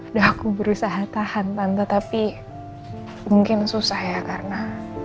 udah aku berusaha tahan tetapi mungkin susah ya karena